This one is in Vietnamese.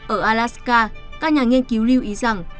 ở alaska các nhà nghiên cứu lưu ý rằng